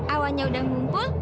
awannya udah ngumpul